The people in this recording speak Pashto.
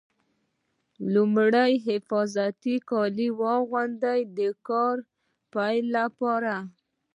لومړی حفاظتي کالي واغوندئ د کار پیلولو لپاره.